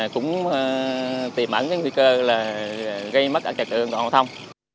cũng tìm ẩn nguy cơ gây mất trật tự an toàn giao thông